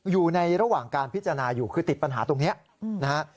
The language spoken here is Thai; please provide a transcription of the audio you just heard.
อยู่ในระหว่างการพิจารณาอยู่คือติดปัญหาตรงนี้นะฮะ